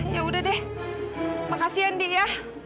ya udah deh makasih ya indi ya